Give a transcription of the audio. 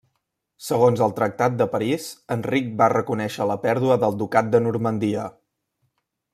Segons el Tractat de París, Enric va reconèixer la pèrdua del Ducat de Normandia.